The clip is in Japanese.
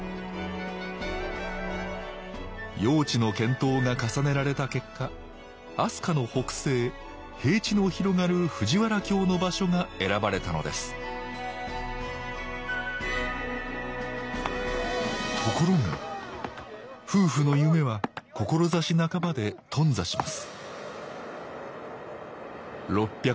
用地の検討が重ねられた結果飛鳥の北西平地の広がる藤原京の場所が選ばれたのですところが夫婦の夢は志半ばで頓挫します